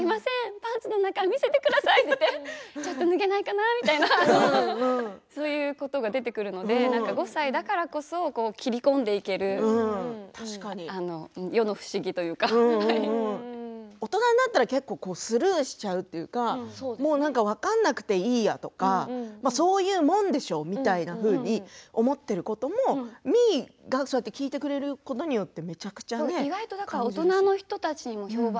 パンツの中見せてくださいってちょっと脱げないかなみたいなそういうことが出てくるので５歳だからこそ切り込んでいけるような大人になったらスルーしちゃうというか分からなくていいやとかそういうものでしょうみたいなふうに思っていることもみーがそうやって聞いてくれることによって。